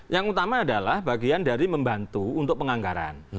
yang utama adalah bagian dari membantu untuk penganggaran